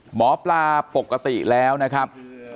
หมอปลาปกติแล้วนะครับ